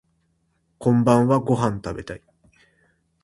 こんばんはご飯食べたい